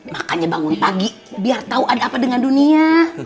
makanya bangun pagi biar tahu ada apa dengan dunia